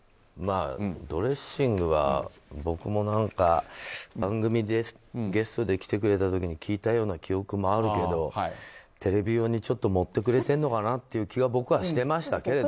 ドレッシングは僕も番組でゲストで来てくれた時に聞いたような記憶もあるけどテレビ用に盛ってくれてるのかなという気が僕はしてましたけど。